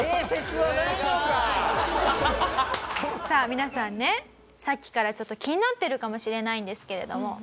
さあ皆さんねさっきからちょっと気になってるかもしれないんですけれども。